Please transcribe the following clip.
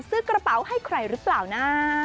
ซื้อกระเป๋าให้ใครหรือเปล่านะ